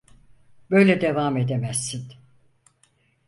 Böyle devam edemezsin.